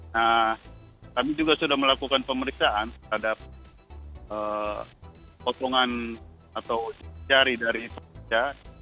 nah kami juga sudah melakukan pemeriksaan terhadap potongan atau jari dari pekerja